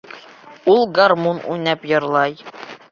Ул гармун уйнап йырлай.